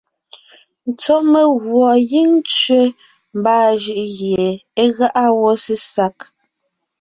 Sɔ́ meguɔ gíŋ tsẅe mbaa jʉʼ gie é gáʼa wó sesag.